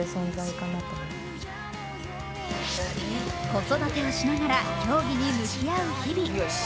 子育てをしながら競技に向き合う日々。